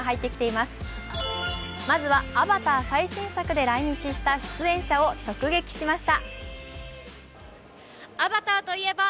まずは、「アバター」最新作で来日した出演者を直撃しました。